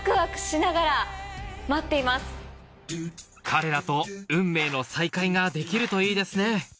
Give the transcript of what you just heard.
彼らと運命の再会ができるといいですね